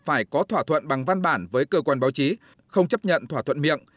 phải có thỏa thuận bằng văn bản với cơ quan báo chí không chấp nhận thỏa thuận miệng